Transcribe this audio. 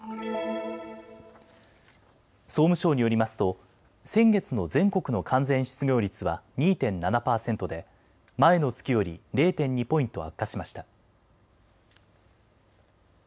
総務省によりますと先月の全国の完全失業率は２．７％で前の月より０．２ポイント悪化しました。